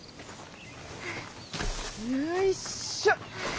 よいしょ！